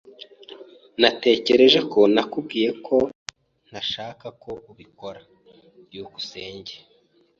[S] Natekereje ko nakubwiye ko ntashaka ko ubikora. byukusenge